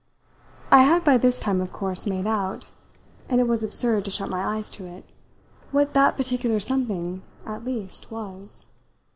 I had by this time of course made out and it was absurd to shut my eyes to it what that particular something, at least, was.